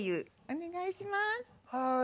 はい。